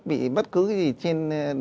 bị bất cứ cái gì trên